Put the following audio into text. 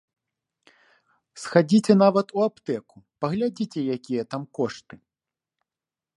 Схадзіце нават у аптэку, паглядзіце якія там кошты.